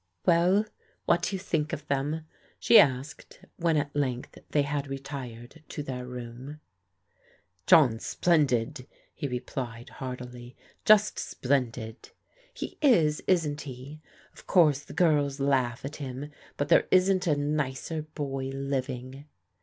"Well, what do you think of them?" she asked, when at length they had retired to their room. 20 PBODIGAL DAUQHTEBS *' John's splendid,*' he replied heartily, " just splendid. He is, isn't he ? Of course the girls laugh at him, but there isn't a nicer boy living."